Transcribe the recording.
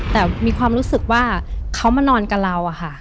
แต่มีความรู้สึกว่าเขามานอนกับเราอะค่ะ